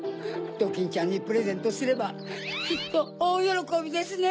ドキンちゃんにプレゼントすればきっとおおよろこびですね！